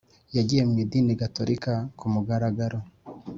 yagiye mu idini gatorika ku mugaragaro